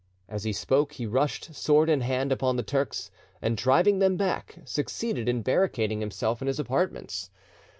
As he spoke, he rushed, sword in hand, upon the Turks, and driving them back, succeeded in barricading himself in his apartments.